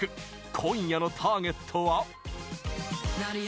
今夜のターゲットは？